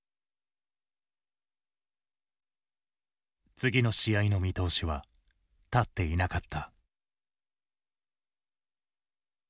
次の試合の見通しは立っていなかった。